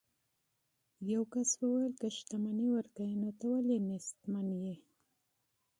یو کس وویل که شتمني ورکوي نو ته ولې غریب یې.